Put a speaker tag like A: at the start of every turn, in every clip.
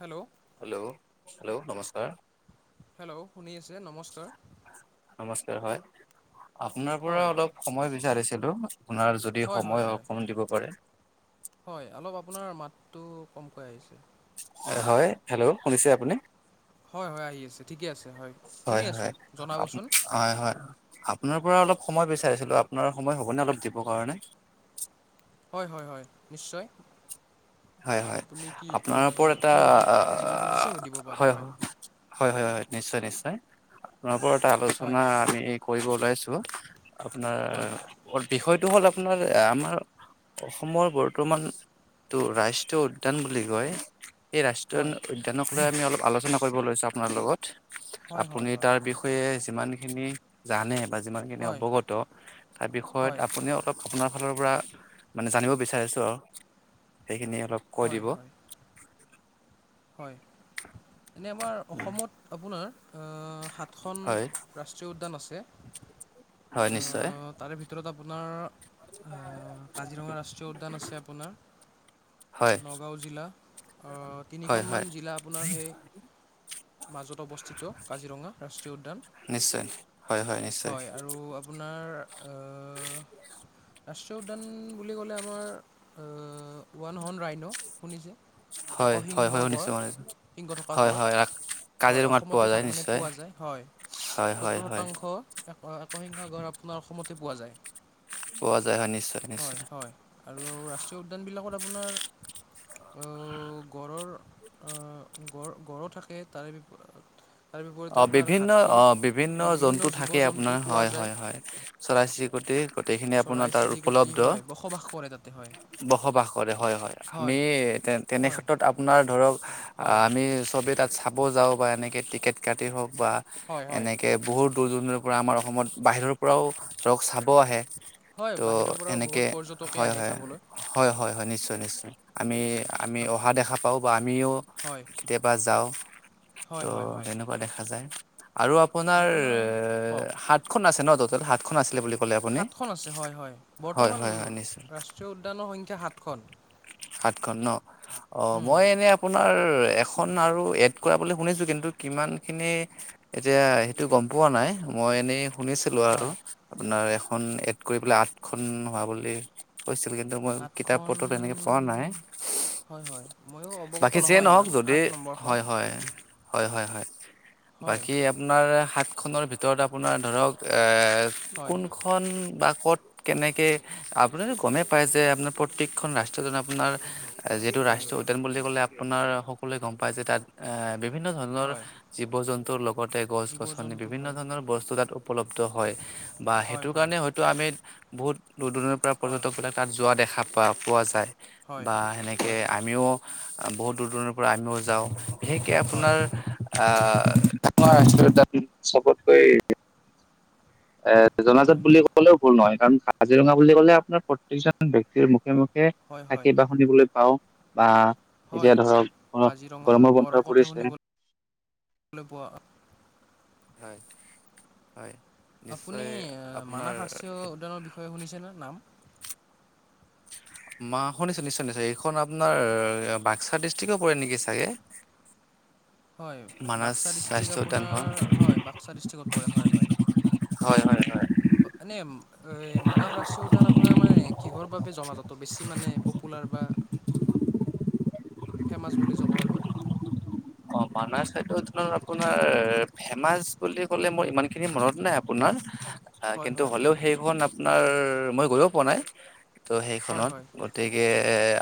A: Hello
B: hello hello নমস্কাৰ
A: hello শুনি আছে নমস্কাৰ
B: নমস্কাৰ হয় আপোনাৰ পৰা
A: হয়
B: অলপ সময় বিচাৰিছিলোঁ আপোনাৰ যদি
A: হয় হয়
B: সময়
A: হয়
B: অকম দিব পাৰে
A: টো কমকৈ আহিছে
B: হয় হেল্ল' শুনিছে আপুনি
A: হয় হয় আহি আছে ঠিকে আছে
B: হয়
A: শুনি
B: হয়
A: আছোঁ জনাবচোন
B: হয় হয় আপোনাৰ পৰা অলপ সময় বিচাৰিছিলো আপোনাৰ সময় হ'বনে অলপ দিব কাৰণে
A: হয় হয় হয় নিশ্চয়
B: হয় হয়
A: আপুনি কি
B: আপোনাৰ ওপৰত
A: আহ
B: এটা
A: কি সুধি সুধিব খুজিছে সুধিব পাৰে হয়
B: হয় হয় হয় নিশ্চয় নিশ্চয় আপোনাৰ পৰাৰত এটা
A: হয়
B: আলোচনা আমি কৰিব ওলাইছো আপোনাৰ
A: হয়
B: হয় বিষয় এইটো হ'ল আপোনাৰ আমাৰ। অসমৰ বৰ্তমান টো ৰাষ্ট্ৰীয় উদ্যান বুলি কয়। সেই ৰাষ্ট্ৰীয়
A: হয়
B: উদ্যানক লৈ আমি অলপ আলোচনা কৰিব লৈছো আপোনাৰ লগত।
A: হয় হয়
B: আপুনি
A: হয়
B: তাৰ বিষয়ে যিমানখিনি জানে, বা যিমানখিনি
A: হয়
B: অৱগত তাৰ বিষয়ত
A: হয়
B: আপুনি অলপ আপোনাৰ ফালৰ পৰা মানে, জানিব বিচাৰিছোঁ। আৰু সেইখিনিয়ে। অলপ কৈ
A: হয়
B: দিব,
A: হয় হয়', এনেই আমাৰ অসমত আপোনাৰ আ--সাতখন
B: হয়
A: ৰাষ্ট্ৰীয় উদ্যান আছে।
B: হয় নিশ্চয়
A: অ--তাৰে ভিতৰত আপোনাৰ অহ--কাজিৰঙা ৰাষ্ট্ৰীয় উদ্যান আছে আপোনাৰ
B: হয়
A: নগাঁও জিলা।
B: হয়
A: তিনিখনমান
B: হয়
A: জিলা আপোনাৰ সেই মাজত অৱস্থিত কাজিৰঙা ৰাষ্ট্ৰীয় উদ্যান।
B: নিশ্চয় হয় নিশ্চয়
A: হয়', আৰু আপোনাৰ অ' ৰাষ্ট্ৰীয় উদ্যান বুলি ক'লে আমাৰ অ ওৱান হৰ্ন ৰাইনো', শুনিছোঁ।
B: হয়', হয়', শুনিছোঁ হয়', হয়',
A: গঁড়
B: হয়', ৰাখ
A: হয়', অসমতে তাৰমানে পোৱা যায় হয়'
B: হয় হয়
A: সত্তৰ
B: হয়
A: শতাংশ এক শিঙিয়া গড় আপোনাৰ অসমতে পোৱা যায়।
B: পোৱা যায় হয়', নিশ্চয় নিশ্চয়।
A: উদ্যান বিলাকত আপোনাৰ--টো গঁড়ৰ অ গড় গঁড়ো থাকে তাৰে তাৰ বিপৰীতে
B: অ',
A: আপোনাৰ
B: বিভিন্ন
A: হাতী
B: অ', বিভিন্ন জন্তু
A: জীৱ
B: থাকে
A: জন্তু
B: আপোনাৰ
A: পোৱা
B: হয়',
A: যায়
B: হয়', হয়', চৰাই চিৰিকটি গোটেইখিনি আপোনাৰ তাৰ উপলব্ধ
A: সেইটো হয়।
B: বসবাস কৰে। হয়', হয়', আমি তে তেনে
A: হয়
B: ক্ষেত্ৰত আপোনাৰ ধৰক
A: হয়
B: আমি চবে, তাত চাব যাব পাৰে নেকি? টিকেট কাটি হওঁক বা
A: হয় হয়
B: এনেকে বহুত দূৰ জোনবিলাক পৰা। আমাৰ অসমত বাহিৰৰ পৰাও ধৰক চাব আহে।
A: হয়
B: ত'
A: বাহিৰৰ পৰা
B: এনেকে
A: বহুত পৰ্যটকে
B: হয়',
A: আহে
B: হয়',
A: চাবলৈ
B: হয়', হয়', হয়', নিশ্চয় নিশ্চয় আমি আমি
A: আপ-
B: অহা দেখা পাওঁ বা আমিও
A: হয়
B: কেতিয়াবা যাওঁ।
A: হয়', হয়', হয়',
B: সেই ফালে আৰু আপোনাৰ
A: কওক
B: সাতখন আছে ন? সাতখন আছিলে বুলি ক'লে আপুনি?
A: সাতখন আছে হয়', হয়',
B: হয়
A: বৰ্তমান
B: হয় হয় নিশ্চয়
A: ৰাষ্ট্ৰীয় উদ্যানৰ সংখ্যা সাতখন।
B: সাতখন ন? অঁ,
A: উম,
B: মই এনেই আপোনাৰ এখন আৰু এড কৰাব বুলি শুনিছোঁ। কিন্তু কিমান খিনি, এতিয়া সেইটো গম পোৱা নাই। মই এনেই শুনিছিলো আৰু
A: হয়
B: আপোনাৰ এখন এড কৰি পেলাই, আঠখন হোৱা বুলি। কৈছিল কিন্তু মই কিতাপ
A: আঠখন
B: পত্ৰত তেনেকে পোৱা নাই।
A: হয়', হয়', ময়ো অৱগত
B: বাকী যিয়ে
A: নহয়
B: নহওক
A: ইমান
B: যদি
A: আঠ নম্বৰখন।
B: হয় হয় হয়', হয়', হয়',
A: হয়
B: বাকী আপোনাৰ সাত খনৰ ভিতৰত আপোনাৰ ধৰক এ
A: হয়
B: কোনখন বা ক'ত, কেনেকে আপুনি টো গমেই পায় যে আপোনাৰ প্ৰত্যেকখন ৰাষ্ট্ৰত আপোনাৰ যিহেতু
A: হয়
B: ৰাষ্ট্ৰীয় উদ্যান বুলি ক'লে আপোনাৰ সকলোৱে গম পায়। যে তাত আহ বিভিন্ন ধৰণৰ
A: হয়
B: জীৱ -জন্তুৰ লগতে গছ
A: জীৱ
B: -গছনি
A: জন্তু
B: বিভিন্ন
A: হয়
B: ধৰণৰ বস্তু তাত উপলব্ধ হয়। বা
A: হয়
B: সেইটো কাৰণে
A: হয়
B: মানে হয়তো আমি বহুত দূৰ দূৰণিৰ পৰা
A: হয়
B: পৰ্যটক বিলাক তাত যোৱা দেখা পোৱা যায়।
A: হয়
B: বা সেনেকে
A: হয়
B: আমিও বহুত দূৰ দূৰণিৰ পৰা আমিও যাওঁ। বিশেষকৈ
A: হয়
B: আপোনাৰ আহ', অসমৰ ৰাষ্ট্ৰীয় উদ্যান চবতকৈ এ, জনাজাত
A: হয়
B: বুলি ক'লেও ভুল নহয়। কাৰণ কাজিৰঙা বুলি ক'লে আপোনাৰ প্ৰত্যেকজন ব্যক্তিৰ মুখত। মুখে
A: হয় হয়
B: থাকী বাহ শুনিবলৈ পাওঁ। বা,
A: হয়
B: এতিয়া ধৰক
A: কাজিৰঙাৰ
B: গৰমৰ বন্ধ
A: গড়ৰ কথা
B: পৰিছে।
A: শুনিবলৈ [inaudible]
B: হয়, হয়।
A: আপুনি
B: নিশ্চয়
A: আহ, মানাস
B: আপোনাৰ
A: ৰাষ্ট্ৰীয় উদ্যানৰ বিষয়ে শুনিছেনে নাম
B: হয়। ম শুনিছো নিশ্চয় নিশ্চয় এইখন আপোনাৰ বাক্সা ডিষ্ট্ৰিকো পৰে নেকি চাগে?
A: হয়,
B: মানাস
A: বাক্সা ডিষ্ট্ৰিক
B: ৰাষ্ট্ৰীয় উদ্যানখন
A: আপোনাৰ হয় বাক্সা ডিষ্ট্ৰিকত পৰে হয়, হয়। উম আনিম। এই মানস ৰাষ্ট্ৰীয় উদ্যান আপোনাৰ মানে কিহৰ বাবে জনাজাত বেছি মানে পপুলাৰ বা।
B: [inaudible]
A: ফেমাছ বুলি যবাওঁ আমি।
B: ম চাই আপোনাৰ ফেমাচ বুলি ক'লে মোৰ ইমানখিনি মনত নাই আপোনাৰ। আহ
A: হয়
B: কিন্তু
A: হয়
B: হলেও সেইখন আপোনাৰ মই গৈও পোৱা নাই। ত'
A: হয়
B: সেইখনত
A: হয়
B: গতিকে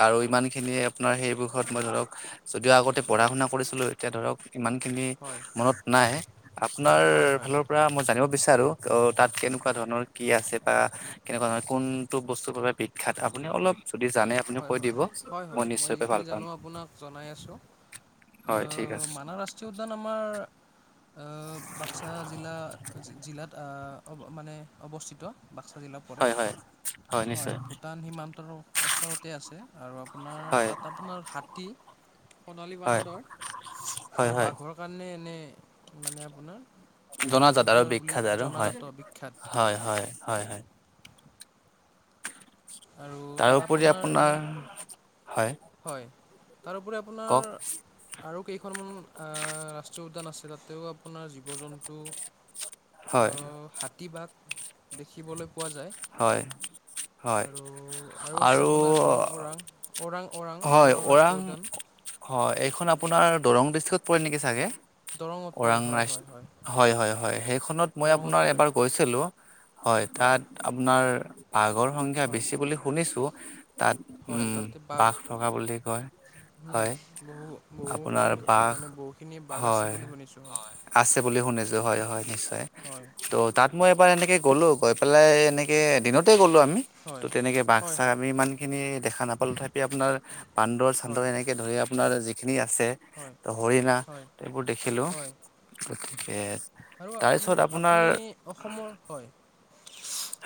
B: আৰু ইমান খিনিয় আপোনাৰ সেইবোৰ ঘৰত মই ধৰক। যদিও আগতে পঢ়া
A: হয়
B: শুনা কৰিছিলোঁ এতিয়া ধৰক। ইমানখিনি
A: হয়
B: মনত নাই আপোনাৰ
A: হয় হয়
B: ফালৰ পৰা মই জানিব বিচাৰো আৰু তাত কেনেকুৱা ধৰণৰ কি আছে বা কেনেকুৱা ধৰণৰ কোনটো বস্তুৰ বাবে বিখ্যাত আপুনি অলপ। যদি জানে আপুনি
A: হয়,
B: কৈ
A: হয়,
B: দিব
A: হয়, হয় মই
B: নিশ্চয়কৈ ভাল
A: যিখিনি
B: পাম
A: জানো আপোনাক জনাই আছোঁ।
B: হয় ঠিক
A: আহ
B: আছে
A: মানৱ ৰাষ্ট্ৰীয় উদ্যান আমাৰ। বাক্সা জিলা জিলাত অ মানে অৱস্থিত। বাক্সা জিলাত পৰে
B: হয় হয়
A: হয় ভূটান সীমান্তৰ ওচৰত। হৈছে আৰু আপোনাৰ
B: হয়
A: তাত আপোনাৰ হাতী সণালী
B: হয়
A: বান্দৰ
B: হয়
A: আৰু
B: হয়
A: বাঘৰ কাৰণে এনে মানে আপোনাৰ
B: জনাজাত আৰু
A: পপুলাৰ বুলি
B: বিখ্যাত আৰু হয়
A: জনাজাত বিখ্যাত
B: হয় হয় হয়, হয়।
A: আৰু তাত
B: তাৰোপৰি
A: এনে
B: আপোনাৰ হয়।
A: হয় তাৰোপৰি আপোনাৰ
B: কওক
A: আৰু কেইখনমান ৰাষ্ট্ৰীয় উদ্যান আছে। তাতেও আপোনাৰ জীৱ জন্তু
B: হয়
A: হঠি বহ দেখিবলৈ পোৱা যায়
B: হয় হয়
A: আৰু, আৰু আছে আপোনাৰ এখন ওৰাং, ওৰাং ওৰাং
B: হয় ওৰাং
A: ৰাষ্ট্ৰীয় উদ্যান
B: হয় এইখন আপোনাৰ দৰং ডিষ্ট্ৰিক্ত পৰিল নেকি চাগে।
A: দৰঙত পৰে
B: ওৰাং
A: হয়
B: ৰা
A: হয়
B: হয়, হয়, হয় সেইখনত মই
A: দৰঙত
B: আপোনাৰ
A: পৰে
B: এবাৰ গৈছিলো। হয় তাত আাৰ বাঘৰ সংখ্যা
A: হয়
B: বেছি বুলি শুনিছো। তাত
A: হয়
B: উম,
A: তাতে বাঘ
B: বঘ ফকা বুলি কয়।
A: উম,
B: হয়
A: বহু বহুখন
B: আপোনাৰ বাঘ
A: মানে বহুখিনি বাঘ আছে বুলি শুনিছো।
B: শুছো হয়, হয় নিশ্চয় ত' তাত মই এবাৰ এনেকে গ'লো। পাই এনেকে দিনতে গ'লো আমি। ত,
A: হয়
B: তেনেকে বাক্
A: হয়
B: চাক
A: হয়
B: আমি ইমান খিনি দেখা নাপালো তথাপি আপোনাৰ বান্দৰ, চান্দৰ এনেকে ধৰি আপোনাৰ। যিখিনি আছে
A: হয় হয়
B: ত হৰিনা
A: হয়
B: এই এইবোৰ দেখিলো।
A: হয়
B: গতিকে
A: আৰু
B: তাৰ পিছত
A: আম-
B: আপোনাৰ
A: আপুনি অসমৰ হয়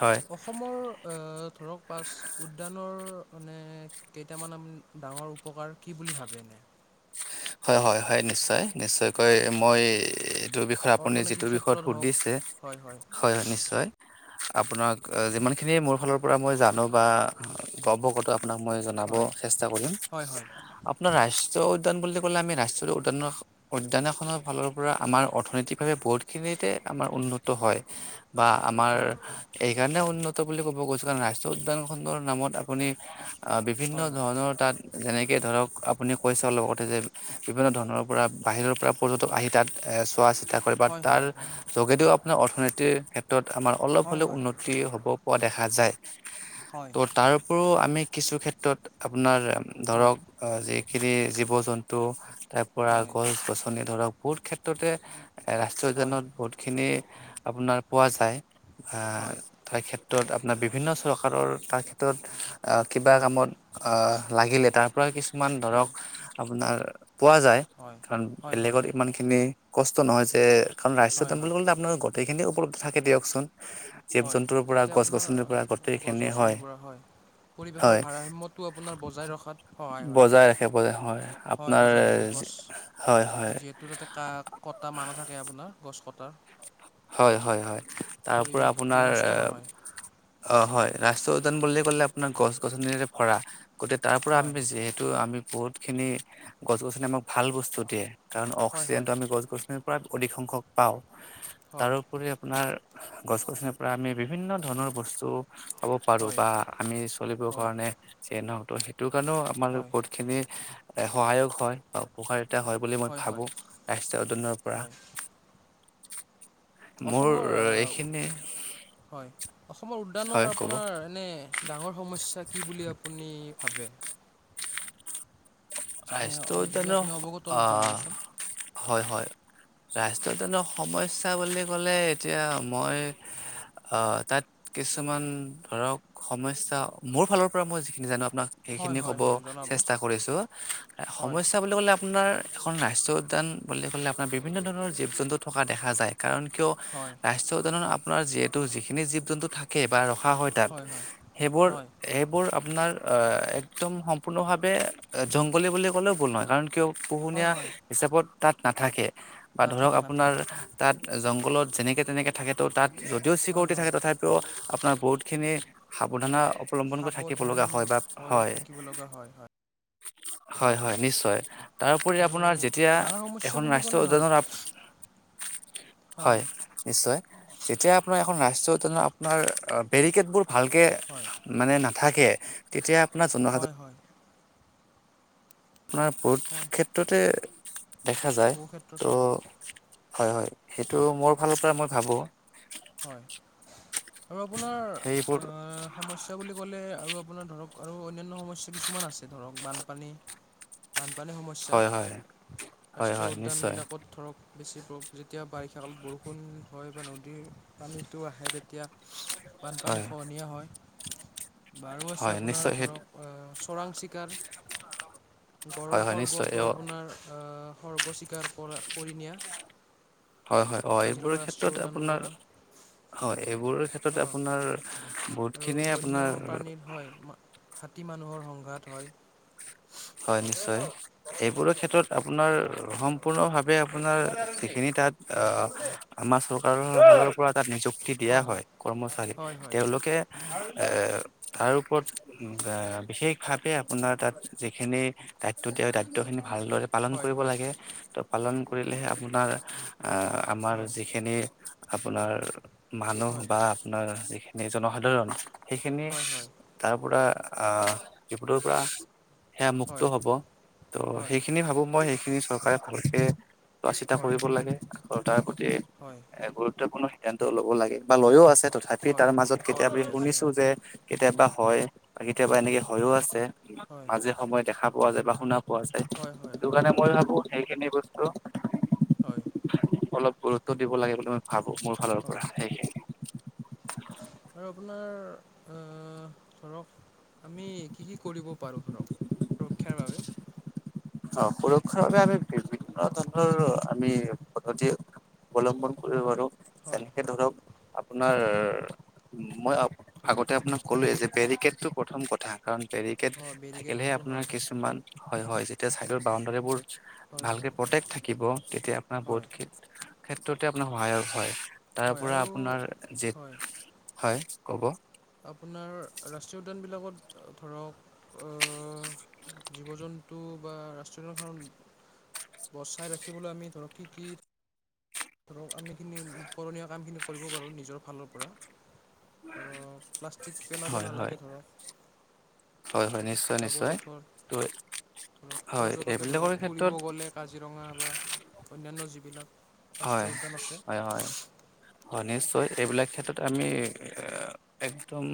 B: হয়
A: অসমৰ আহ ধৰক পাছ উদ্যানৰ মানে কেইটামান ডাঙৰ উপকাৰ কি বুলি ভাবে?
B: হয়, হয়, হয় নিশ্চয়, নিশ্চয়কৈ মই যিটো বিষয়ে আপুনি যিটো
A: অৰ্থনীতিৰ
B: বিষয়ত
A: ক্ষেত্ৰত হওক
B: সুধিছে হয়, হয় নিশ্চয় আপোনাক যিমানখিনি মোৰ ফালৰ পৰা মই জানো বা গৰ্ব কতো আপোনাক মই জনাব
A: হয়
B: চেষ্টা কৰিম
A: হয় হয়
B: আপোনাৰ ৰাষ্ট্ৰীয় উদ্যান বুলি ৰা্ৰীয় উদৰ, উদ্যান এখনৰ ফালৰ পৰা আমাৰ অৰ্থনৈতিকভাৱে বহুতখিনিতে আম উন্নত হৈ বাৰ আমাৰ
A: হয়
B: এক সানে উন্নত বুলি ক'ব গৈছো কাৰ ৰাষ্ট্ৰীয় উদ্যান খণ্ডৰ নামত আপুনি বিভিন্ন
A: হয়
B: ধৰণৰ তাত যেনেকৈ ধৰক আপুনি কৈছে অলপ আগতে যে বিভিন্ন ধৰণৰ পৰা বাহিৰৰ পৰা পৰ্যটক
A: হয়
B: আহি তাত চোৱা, চিতা কৰে বা
A: হয়
B: তাৰ
A: হয় হয়
B: যোগেদিও আপোনাৰ অৰ্থনীতিৰ ক্ষেত্ৰত আমাৰ অলপ
A: হয় হয়
B: হ'লেও উন্নতি হ'ব পৰা দেখা যায়
A: হয় হয়
B: ত' তাৰপৰিও আমি কিছু ক্ষেত্ৰত আপোনাৰ
A: হয়
B: ধৰক যিখিনি জীৱ-জন্তু তাৰ পৰা
A: হয়
B: গছ-গছনি ধৰক বহুত ক্ষেত্ৰতে ৰাষ্ট্ৰীয়
A: হয়
B: উদ্যানত বহুতখিনি আপোনাৰ পোৱা যায়
A: হয়
B: আহ
A: হয়
B: তাৰ ক্ষেত্ৰত ক্ষেত্ৰত আপোনাৰ বিভিন্ন চৰকাৰৰ তাৰ ক্ষেত্ৰত কিবা
A: হয়
B: কামত লাগিলে তাৰ পৰা কিছুমান ধৰক আপোনাৰ পোৱা যায় কাৰণ
A: হয়
B: বেলেগত ইমান খিনি কষ্ট নহয় যে কাৰণ ৰাষ্ট্ৰীয়
A: হয় হয়
B: টেম্পলখন আপোনালোকৰ সেইখিনি উপলব্ধ থাকে দিয়কচোন। জীৱ
A: হয়,
B: জন্তুৰ পৰা
A: তাতে
B: গছ
A: আপোনাৰ
B: গছনিৰ পৰা গোটেইখিনি
A: গছ-গছনিৰ পৰা হয়।
B: হয়।
A: পৰিবেশৰ ভাৰসাম্যটো আপোনাৰ বজাই ৰখাত সহায়
B: বজাই ৰাখে বজাই
A: হয়।
B: আপোনাৰ
A: বজাই ৰাখে।
B: হয়
A: গছ
B: হয়
A: যিহেতু তাতে কা, কটা মানুহ থাকে আপোনাৰ। গছ কটাৰ
B: হয়, হয়, হয় তাৰ পৰা
A: পৰিৱেশ
B: আপোনাৰ
A: বিনষ্ট নহয়
B: অ, হয় ৰাষ্ট্ৰ উদ্যান বুলিবলে আপোনাৰ গছ, গছনিৰে ভৰা গতিকে তাৰ পৰা
A: হয়
B: আমি যিহেতু আমি বহুতখিনি গছ-গছনি আমাক ভাল বস্তু দিয়ে কাৰণ
A: হয় হয়
B: অক্সিজেনটো আমি গছ-গছনিত প্ৰায় অধিক সংখ্যক পাওঁ,
A: হয়
B: তাৰোপৰি আপোনাৰ গছ-গছনিৰ পৰা আমি বিভিন্ন ধৰণৰ বস্তু পাব, পাৰো
A: হয় হয়
B: বা আমি চলিবৰ
A: হয়
B: কাৰণে যিয়ে নহক সেইটো কাৰণেও আমাৰ
A: হয়
B: বহুত খিনি সহায়ক হয় বা উপকাৰ। হয় বুলি মই ভাবো, ৰাষ্ট্ৰ উদ্যানৰ পৰা।
A: হয়
B: মোৰ
A: অসমৰ আহ,
B: এইখিনিয়ে
A: হয়, অসমৰ উদ্যানৰ আপোনাৰ এনে ডাঙৰ সমস্যা কি বুলি আপুনি ভাবে জানে
B: ৰাষ্ট্ৰ
A: অ', যদি
B: উদ্যানৰ
A: আপুনি অৱগত অলপ জনাবচোন।
B: হয়, হয়। ৰাষ্ট্ৰীয় উদ্যানৰ সমস্যা বুলি কলে এতিয়া মই অ, তাত কিছুমান ধৰক সমস্যা মোৰ ফালৰ পৰা মই যিখিনি জানো আপোনাক
A: হয়
B: এইেইখিনি
A: হয়
B: ক'ব
A: হয় জনাব
B: চেষ্টা কৰিছো
A: হয়
B: সমস্যা বুলি ক'লে আপোনাৰ এখন ৰাষ্ট্ৰীয় উদ্যান বুলি ক'লে আপোনাৰ বিভিন্ন ধৰণৰ জীৱ জন্তু থকা দেখা যায়, কাৰণ কিয়
A: হয় হয়
B: ৰাষ্ট্ৰীয় উদানত আপোনাৰ যিহেতু যিখিনি জীৱ জন্তু থাকে বা ৰখা হয় তাত সেইবোৰ
A: হয়
B: সেইবোৰ আপোনাৰ একদম সম্পূৰ্ণভাৱে জংগলী বুলি ক'লেও ভুল নহয় কাৰণ কিয়
A: হয়
B: পোহনীয়া
A: হয়।
B: হিচাপত তাত নাথাকে। বা ধৰক
A: নাথাকে
B: আপোনাৰ
A: নাথাকে।
B: তাত জংঘলত যেনেকে তেনেকে থাকে তো তাত যদিও
A: হয়
B: চিকিউৰিটি
A: হয়
B: থাকে তথাপিও আপোনাৰ বহুতখিনি সাৱধানা অৱলম্বন কৰি থাকিব
A: সাৱধান
B: লগা হয়, বা,
A: হৈ
B: হয়,
A: থাকিব লগা হয় হয়।
B: হয়, হয়, নিশ্চয় তাৰোপৰি
A: আৰু
B: আপোনাৰ যেতিয়া
A: ডাঙৰ সমস্যা
B: এখন
A: বুলি
B: ৰাষ্ট্ৰীয়
A: ক'লে হয়
B: উদ্যানৰ হয়, নিশ্চয় যেতিয়া আপোনাৰ এখন ৰাষ্ট্ৰীয় আপোনাৰ বেৰিকেডবোৰ ভালকৈ
A: হয়।
B: মানে নাথাকে তেতিয়া আপোনাৰ
A: হয়,
B: জনসাধাৰণ
A: হয়।
B: আপোনাৰ বহুত
A: হয়
B: ক্ষেত্ৰতে দেখা যায়
A: বহু ক্ষেত্ৰত
B: ত'
A: হয়
B: হয়, হয়, সেইটো মোৰ ফালৰ পৰা মই ভাবোঁ।
A: হয়, আৰু আপোনাৰ
B: সেইবোৰ
A: অ, সমস্যা বুলি ক'লে আৰু আপোনাৰ ধৰক আৰু অন্যান্য সমস্যা কিছুমান আছে ধৰক বানপানী, বানপানীৰ সমস্যা,
B: হয় হয় হয়
A: ৰাষ্ট্ৰীয়
B: হয় নিশ্চয়
A: উদ্যানবিলাকত ধৰক বেছি যেতিয়া বাৰিষা কালত বৰষুণ হয় বা নদীৰ পানীটো আহে তেতিয়া
B: হয়
A: বানপানী খহনীয়া হয়। বাৰু আছে
B: হয়
A: আপোনাৰ
B: নিশ্চয় সেই
A: ধৰক চোৰাং চিকাৰ, গড়ৰ
B: হয় হয় নিশ্চয়
A: খৰ্গটো
B: অ
A: আপোনাৰ আ, খৰ্গ চিকাৰ কৰা-কৰি নিয়া।
B: হয়, হয় অ, এইবোৰৰ
A: কাজিৰঙা ৰাষ্ট্ৰীয়
B: ক্ষেত্ৰত
A: উদ্যানৰ
B: আপোনাৰ
A: পৰা
B: হয় এইবোৰ, ক্ষেত্ৰত
A: অঁ
B: আপোনাৰ
A: আৰু
B: বহুতখিনিয়ে আপোনাৰ
A: বন্যপ্ৰাণীৰ হয় হাতী মানুহৰ সংঘাত হয়,
B: হয়, নিশ্চয় এইবোৰৰ ক্ষেত্ৰত আপোনাৰ সম্পূৰ্ণ ভাৱে আপোনাৰ যিখিনি তাত অ,
A: হয়
B: আমাৰ চৰকাৰৰ ফালৰ পৰা এটা নিযুক [inaudible] দিয়া হয় কৰ্মচাৰী
A: হয়
B: তেওঁলোকে এ, তাৰ ওপৰত বিশেষভাৱে আপোনাৰ তাত যিখিনি দায়িত্ব দিয়ে দায়িত্বখিনি ভালদৰে পালন
A: হয়
B: কৰিব
A: হয়
B: লাগে, পালন কৰিলেহে আপোনাৰ আহ আমাৰ
A: হয় হয়
B: যিখিনি আপোনাৰ মানুহ
A: হয়
B: বা আপোনাৰ যিখিনি জনসাধাৰণ, সেইখিনি
A: হয় হয় হয়
B: তাৰ পৰা আহ, বিপদৰ পৰা সেয়া মুক্ত
A: হয়
B: হ'ব ত'
A: হয়
B: সেইখিনি ভাবো মই সেই খিনি চৰকাৰে ভালকে চোৱা চিতা
A: হয়
B: কৰিব লাগে, আৰু তাৰ প্ৰতি
A: হয়
B: এ গুৰুত্বপূৰ্ণ তেন্ত ল'ব লাগে বা লৈয় আছে তথাপি
A: হয়
B: তাৰ মাজত
A: হয়
B: কেতিয়াবি
A: লৈ আছে
B: শুনিছো
A: হয়
B: যে কেতিয়াবা হয় বা কেতিয়াবা এনেকে হয়ও আছে
A: হয়
B: মাজে সময়ে দেখা পোৱা যায় বা শুনা পোৱা যায়।
A: হয় হয়
B: সেইটো
A: হয়
B: কাৰণে
A: হয়
B: মই ভাবো সেইখিনি বস্তু
A: হয়,
B: অলপ গুৰুত্ব দিব লাগে বুলি মই ভাবো মোৰ ফালৰ
A: হয়
B: পৰা সেইখিনি।
A: আৰু আপোনাৰ আহ, ধৰক আমি কি কি কৰিব পাৰোঁ ধৰক সুৰক্ষাৰ বাবে
B: অ, সুৰক্ষাৰ বাবে আমি বি বিভিন্ন ধৰণৰ আমি পদ্ধতি অৱলম্বন কৰিব পাৰো।
A: হয়
B: যেনেকে ধৰক আপোনাৰ মই
A: ধৰক
B: আগতে আপোনাক কলোৱেই যে বেৰিকেডটো প্ৰথম কথা কাৰণ বেৰিকেড
A: হয়
B: থাকিলেহে
A: বেৰিকেডটো
B: আপোনাৰ
A: হয়
B: কিছুমান, হয়, হয়, তেতিয়া চাইডৰ বাউণ্ডাৰীবোৰ
A: হয়
B: ভালকে
A: হয় হয়
B: প্ৰটেক্ট থাকিব তেতিয়া আপোনাৰ
A: হয়
B: বহুত ক্ষেত্ৰতে আপোনাৰ সহায়ক হয় তাৰ
A: হয়
B: পৰা
A: আৰু
B: আপোনাৰ যে
A: হয়
B: হয় ক'ব,
A: আপোনাৰ ৰাষ্ট্ৰীয় উদ্যানবিলাক ধৰোক অ, জীৱ জন টো বা ৰাষ্ট্ৰীয় উদ্যান খন বচাই ৰাখিবলৈ আমি ধৰক কি কি ধৰক আমিখিনি কৰণীয় কামখিনি কৰিব পাৰোঁ নিজৰ ফালৰ পৰা। ধৰক, প্লাষ্টিক পেলাব
B: হয় হয়
A: নালাগে, ধৰক।
B: হয়, হয়, নিশ্চয়,
A: জাবৰ
B: নিশ্চয়,
A: জোঁথৰ
B: ত
A: ধৰক,
B: হয়
A: পৰ্যটকে,
B: এইবিলাকৰ
A: ধৰক, ফুৰিব
B: ক্ষেত্ৰত
A: গ'লে, কাজিৰঙা বা অন্যান্য যিবিলাক
B: হয়
A: ৰাষ্ট্ৰীয় উদ্যান আছে।
B: হয় হয় হয়, নিশ্চয়,
A: হয়
B: এইবিলাক ক্ষেত্ৰত আমি। এ, একদম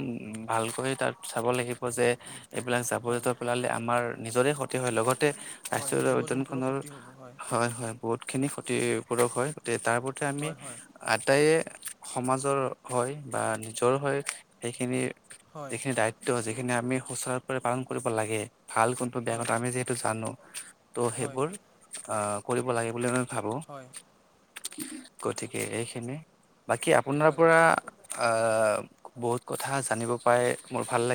B: ভালকৈ তাত, চাব লাগিব যে এইবিলাক
A: হয়
B: জাৱৰ-জোঁথৰ পেলালে, আমাৰ নিজৰে ক্ষতি হয়, লগত।
A: হয়
B: ৰাষ্ট্ৰীয়
A: জীৱ জন্তুৰো
B: উদ্যানখনৰ
A: ক্ষতি হ'ব
B: হয়, হয়, বহুতখিনি ক্ষতিপূৰণ হয়, গোটেই। তাৰ প্ৰতি, আমি।
A: হয় হয়
B: আটাইয়ে সমাজৰ হয় বা নিজৰ হয়, সেইখিনি।
A: হয়
B: যিখিনি দায়িত্ব, যিখিনি আমি সুচাৰুৰূপে পালন কৰিব লাগে। ভাল কোনটো, বেয়া
A: হয়
B: কথা আমি যিহেতু জানো। ত',
A: হয়
B: সেইবোৰ আহ, কৰিব লাগে বুলি মই ভাবোঁ।
A: হয়
B: গতিকে, এইখিনি। বাকী, আপোনাৰ
A: হয়
B: পৰা, আঁ, বহুত কথা জানিব পাই, মোৰ ভাল লাগে।